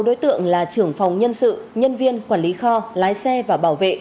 một mươi sáu đối tượng là trưởng phòng nhân sự nhân viên quản lý kho lái xe và bảo vệ